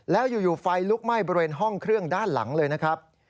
แล้วอยู่ไฟลุกไหม้บริเวณห้องเครื่องด้านหลังเลยนะครับ